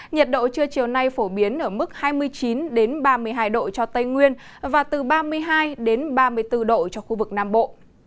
nhiệt độ trưa chiều nay phổ biến ở mức hai mươi chín ba mươi hai độ cho tây nguyên và từ ba mươi hai ba mươi bốn độ cho khu vực nam bộ